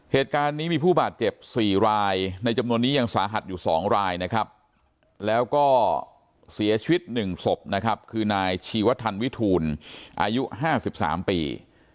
เหตุการณ์นี้มีผู้บาดเจ็บ๔รายในจำนวนนี้ยังสาหัสอยู่๒รายนะครับแล้วก็เสียชีวิต๑ศพนะครับคือนายชีวทันวิทูลอายุ๕๓ปี